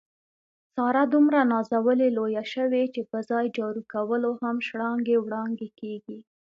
ساره دومره نازولې لویه شوې، چې په ځای جارو کولو هم شړانګې وړانګې کېږي.